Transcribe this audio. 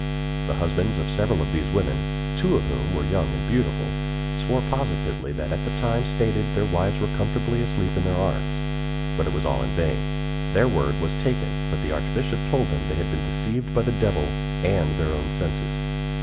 The husbands of several of these women (two of whom were young and beautiful) swore positively that at the time stated their wives were comfortably asleep in their arms; but it was all in vain. Their word was taken, but the archbishop told them they had been deceived by the devil and their own senses.